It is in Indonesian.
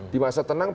di masa tenang